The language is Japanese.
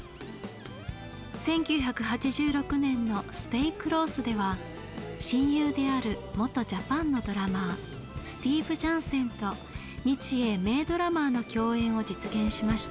１９８６年の「ＳＴＡＹＣＬＯＳＥ」では親友である元ジャパンのドラマースティーブ・ジャンセンと日英名ドラマーの共演を実現しました。